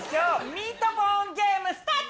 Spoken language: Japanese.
ミートボーンゲームスタート！